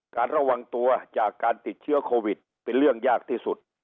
ระวังตัวจากการติดเชื้อโควิดเป็นเรื่องยากที่สุด